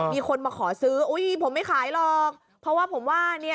มีคนมาขอซื้ออุ้ยผมไม่ขายหรอกเพราะว่าผมว่าเนี่ย